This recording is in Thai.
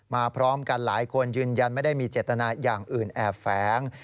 พร้อมกันหลายคนยืนยันไม่ได้มีเจตนาอย่างอื่นแอบแฝง